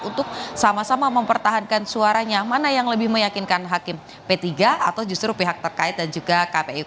untuk sama sama mempertahankan suaranya mana yang lebih meyakinkan hakim p tiga atau justru pihak terkait dan juga kpu